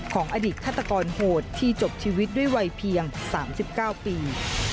ของอดีตฆาตกรโหดที่จบชีวิตด้วยวัยเพียง๓๙ปี